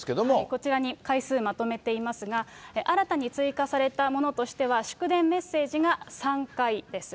こちらに回数、まとめていますが、新たに追加されたものとしては、祝電・メッセージが３回です。